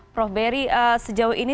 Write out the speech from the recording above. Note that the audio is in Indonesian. prof zubairi sejauh ini